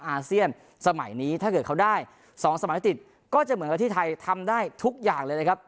อาเซียนสมัยนี้ถ้าเกิดเขาได้๒สมัยติดก็จะเหมือนกับที่ไทยทำได้ทุกอย่างเลยนะครับ